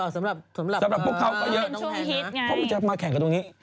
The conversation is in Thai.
สำหรับพวกเขาก็เยอะน้องฮิตเพราะมันจะมาแข่งกันตรงนี้